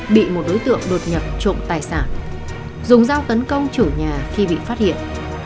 bị một đối tượng đột nhập trộm tài sản dùng dao tấn công chủ nhà khi bị phát hiện